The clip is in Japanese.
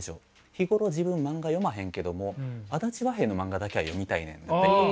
「日頃自分漫画読まへんけども足立和平の漫画だけは読みたいねん」だったりとか。